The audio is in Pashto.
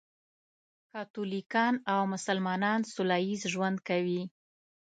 کاتولیکان او مسلمانان سولهییز ژوند کوي.